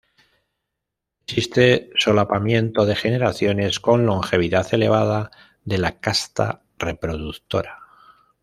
Existe solapamiento de generaciones con longevidad elevada de la casta reproductora.